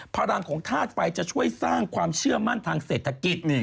พลังของธาตุไฟจะช่วยสร้างความเชื่อมั่นทางเศรษฐกิจ